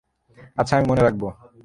আচ্ছা, আমি মনে রাখব।